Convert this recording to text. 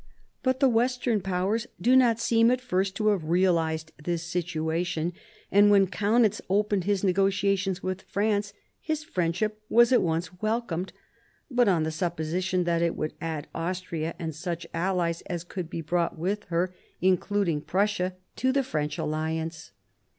But the Western Powers do not seem at first to have realised this situation, and when Kaunitz opened his negotiations with France, his friendship was at once welcomed, but on the supposition that it would add Austria and such allies as could be brought with her, in I 114 MARIA THERESA chap, v eluding Prussia, to the French alliance.